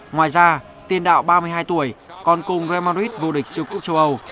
ngoài ra tiền đạo ba mươi hai tuổi còn cùng real madrid vô địch siêu cúp châu âu